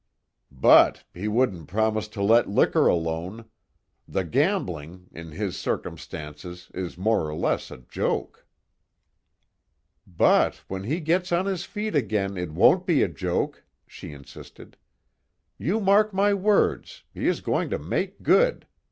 "But he wouldn't promise to let liquor alone. The gambling in his circumstances is more or less a joke." "But, when he gets on his feet again it won't be a joke!" she insisted. "You mark my words, he is going to make good.